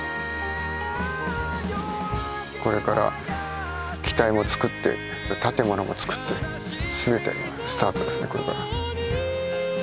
これから機体を作って建物も作ってすべてがスタートですねこれから。